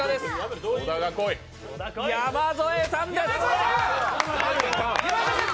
山添さんです。